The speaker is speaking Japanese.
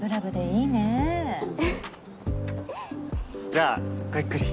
じゃあごゆっくり。